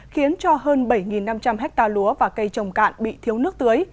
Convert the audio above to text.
khiến cho hơn bảy năm trăm linh hectare lúa và cây trồng cạn bị thiếu nước tưới